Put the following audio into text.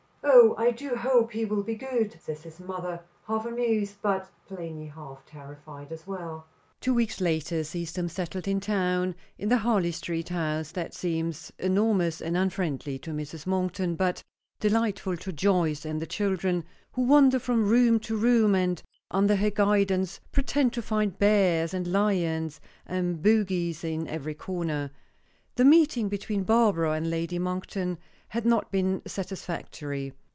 "Oh! I do hope he will be good," says his mother, half amused, but plainly half terrified as well. Two weeks later sees them settled in town, in the Harley street house, that seems enormous and unfriendly to Mrs. Monkton, but delightful to Joyce and the children, who wander from room to room and, under her guidance, pretend to find bears and lions and bogies in every corner. The meeting between Barbara and Lady Monkton had not been satisfactory.